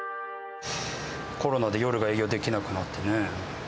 コロナで夜が営業できなくなってね。